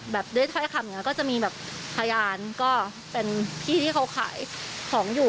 ด้วยถ้อยคำอย่างนี้ก็จะมีแบบพยานก็เป็นพี่ที่เขาขายของอยู่